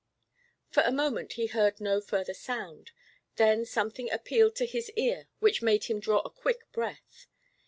For a moment he heard no further sound. Then something appealed to his ear which made him draw a quick breath.